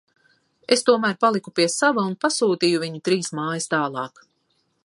Es tomēr paliku pie sava un pasūtīju viņu trīs mājas tālāk..